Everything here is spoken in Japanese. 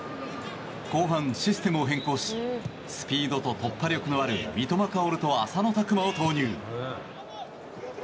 後半システムを変更しスピードと突破力のある三笘薫と浅野拓磨を投入。